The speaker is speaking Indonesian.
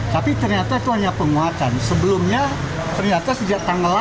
tapi ternyata itu hanya penguatan sebelumnya ternyata sejak tanggal delapan